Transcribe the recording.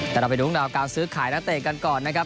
แต่เราไปดูเรื่องราวการซื้อขายนักเตะกันก่อนนะครับ